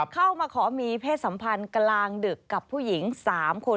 เข้ามาขอมีเพศสัมพันธ์กลางดึกกับผู้หญิง๓คน